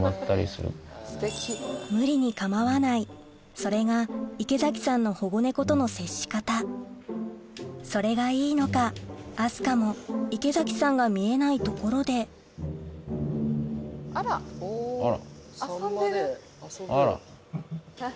それが池崎さんの保護猫との接し方それがいいのか明日香も池崎さんが見えない所であら。